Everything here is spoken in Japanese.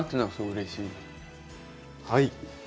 はい。